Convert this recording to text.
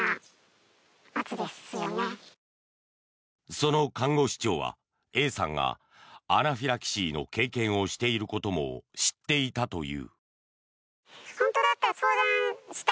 その看護師長はＡさんがアナフィラキシーの経験をしていることも知っていたという。